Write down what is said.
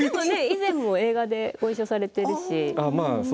以前も映画でごいっしょされているし。